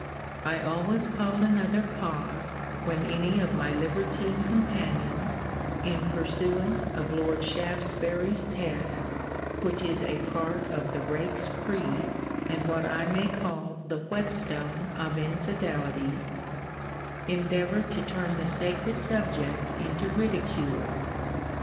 I always called another cause, when any of my libertine companions, in pursuance of Lord Shaftesbury's test (which is a part of the rake's creed, and what I may call the whetstone of infidelity,) endeavoured to turn the sacred subject into ridicule.